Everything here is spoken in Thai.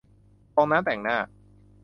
ฟองน้ำแต่งหน้า